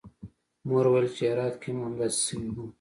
مور ویل چې هرات کې هم همداسې شوي وو